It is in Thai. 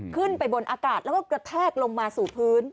ขึ้นไปบนอากาศแล้วก็กระแทกลงมาสู่พื้น